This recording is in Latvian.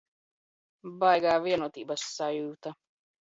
Baigā vienotības sajūta.